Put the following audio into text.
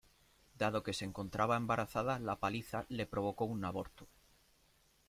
Dado que se encontraba embarazada, la paliza le provocó un aborto.